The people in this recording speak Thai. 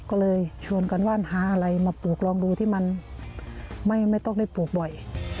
ก็เลยชวนกันว่านหาอะไรมาปลูกลองดูที่มันไม่ต้องได้ปลูกบ่อย